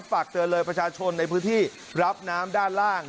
ฝากเตือนเลยประชาชนในพื้นที่รับน้ำด้านล่าง